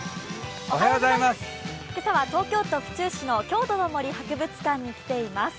今朝は東京都府中市の郷土の森博物館に来ています。